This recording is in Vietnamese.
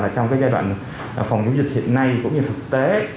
trong giai đoạn phòng chống dịch hiện nay cũng như thực tế